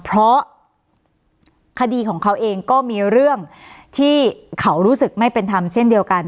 เพราะคดีของเขาเองก็มีเรื่องที่เขารู้สึกไม่เป็นธรรมเช่นเดียวกัน